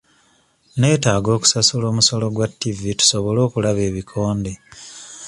Neetaaga okusasula omusolo gwa ttivi tusobole okulaba ebikonde.